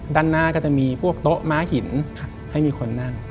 ด้านหน้าก็จะมีพวกโต๊ะม้าหินให้มีคนนั่ง